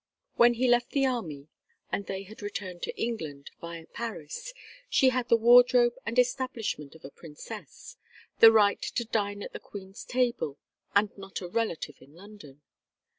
When he left the army and they had returned to England via Paris she had the wardrobe and establishment of a princess, the right to dine at the Queen's table, and not a relative in London.